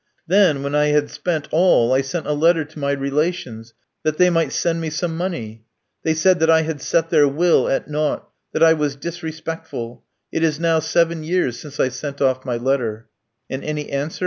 "Then when I had spent all, I sent a letter to my relations, that they might send me some money. They said that I had set their will at naught, that I was disrespectful. It is now seven years since I sent off my letter." "And any answer?"